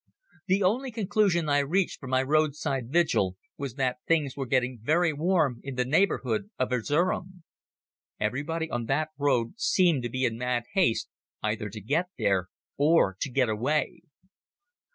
The only conclusion I reached from my roadside vigil was that things were getting very warm in the neighbourhood of Erzerum. Everybody on that road seemed to be in mad haste either to get there or to get away.